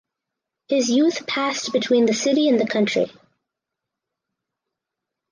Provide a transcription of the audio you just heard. His youth passed between the city and the country.